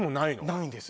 ないんです